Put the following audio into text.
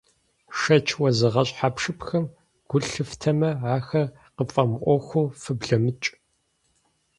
Шэч уэзыгъэщӀ хьэпшыпхэм гу лъыфтэмэ, ахэр къыффӀэмыӀуэхуу фыблэмыкӀ.